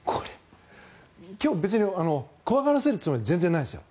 今日、別に怖がらせるつもりは全然ないですよ。